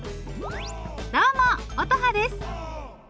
どうも乙葉です！